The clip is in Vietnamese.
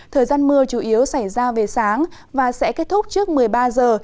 thời gian mưa chủ yếu xảy ra về sáng và sẽ kết thúc trước một mươi ba giờ